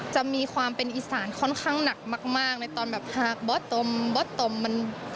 จะมีความเป็นอีสานค่อนข้างหนักมากในตอนแบบหากบอสตมบอสตมมัน